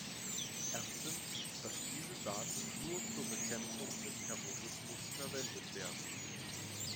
Erstens, dass diese Daten nur zur Bekämpfung des Terrorismus verwendet werden.